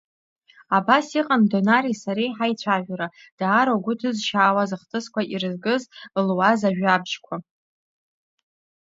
Абас иҟан Донареи сареи ҳаицәажәара даара угәы ҭызшьаауаз ахҭысқәа ирызкыз луаз жәабжьқәа.